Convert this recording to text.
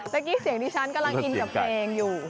เมื่อกี้เสียงดิฉันกำลังอินกับเพลงอยู่